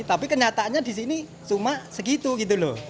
tapi kenyataannya di sini cuma segitu gitu loh